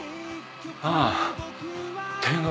ああ天国。